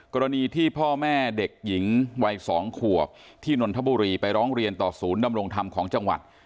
กรณีที่พ่อแม่เด็กหญิงวัย๒ขวบที่นนทบุรีไปร้องเรียนต่อศูนย์ดำรงธรรมของจังหวัด